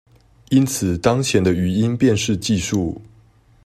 因此當前的語音辨識技術